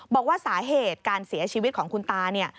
บอกว่าสาเหตุการเสียชีวิตของคุณตาเนี่ย